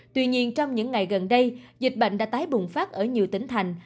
tuy nhiên trong những ngày gần đây dịch bệnh đã tái bùng phát ở nhiều tỉnh thành